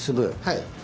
はい。